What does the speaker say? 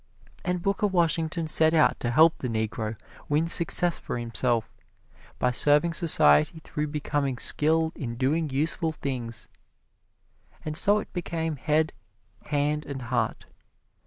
And Booker Washington set out to help the Negro win success for himself by serving society through becoming skilled in doing useful things. And so it became Head, Hand and Heart.